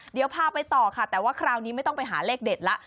เดี๋ยวพาไปต่อค่ะแต่ว่าคราวนี้ไม่ต้องไปหาเลขเด็ดแล้ว